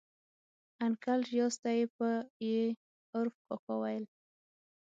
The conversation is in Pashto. انکل ریاض ته یې په ي عرف کاکا ویل.